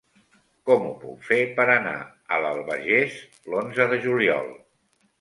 Com ho puc fer per anar a l'Albagés l'onze de juliol?